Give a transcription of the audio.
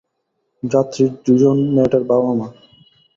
যাত্রী দুজন মেয়েটার বাবা-মা।